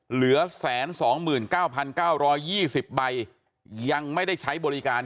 เหลือแสนสองหมื่นเก้าพันเก้าร้อยยี่สิบใบยังไม่ได้ใช้บริการ